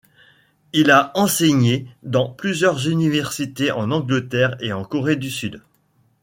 Il a enseigné dans plusieurs universités en Angleterre et en Corée du Sud.